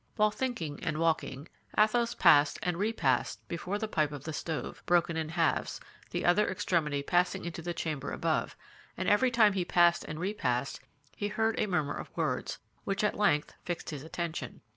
While thinking and walking, Athos passed and repassed before the pipe of the stove, broken in halves, the other extremity passing into the chamber above; and every time he passed and repassed he heard a murmur of words, which at length fixed his attention.